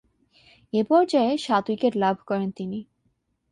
এ পর্যায়ে সাত উইকেট লাভ করেন তিনি।